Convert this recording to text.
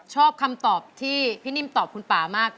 ชอบคำตอบที่พี่นิ่มตอบคุณป่ามาก